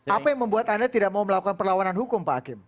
apa yang membuat anda tidak mau melakukan perlawanan hukum pak hakim